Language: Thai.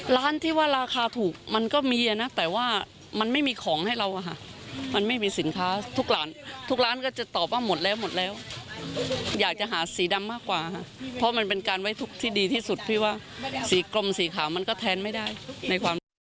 ร้านที่ว่าราคาถูกมันก็มีนะแต่ว่ามันไม่มีของให้เราอะค่ะมันไม่มีสินค้าทุกร้านทุกร้านก็จะตอบว่าหมดแล้วหมดแล้วอยากจะหาสีดำมากกว่าค่ะเพราะมันเป็นการไว้ทุกข์ที่ดีที่สุดพี่ว่าสีกลมสีขาวมันก็แทนไม่ได้ในความดี